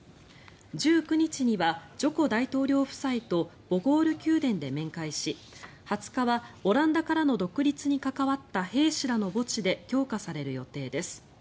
１９日にはジョコ大統領夫妻とボゴール宮殿で面会し２０日はオランダからの独立に関わった兵士らの墓地で供花される予定です。